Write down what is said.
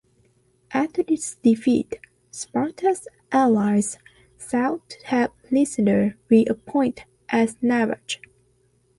After this defeat, Sparta's allies sought to have Lysander reappointed as navarch.